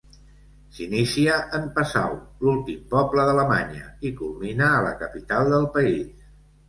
S'inicia en Passau, l'últim poble d'Alemanya, i culmina a la capital del país: